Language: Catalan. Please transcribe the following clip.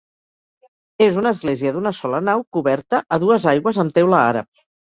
És una església d'una sola nau coberta a dues aigües amb teula àrab.